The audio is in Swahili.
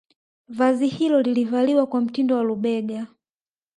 Vazi hilo lilivaliwa kwa mtindo wa lubega